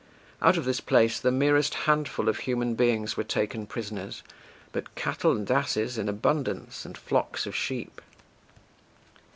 Out of this place the merest handful of human beings were taken prisoners, but cattle and asses in abundance and flocks of sheep.